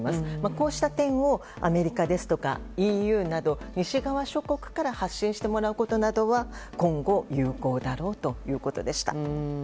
こうした点をアメリカやＥＵなど西側諸国から発信してもらうことは今後、有効だろうということでした。